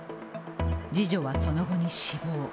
次女はその後に死亡。